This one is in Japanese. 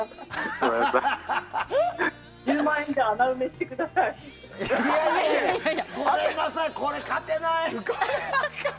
ごめんなさい、これ勝てない！